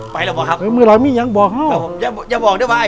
ไปแล้วเหรอครับเมื่อหลังนี่ยังบอกเข้าครับผมอย่าบอกด้วยบ้าย